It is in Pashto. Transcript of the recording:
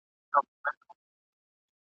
زه همزولې د ښکلایم، زه له میني د سبحان یم !.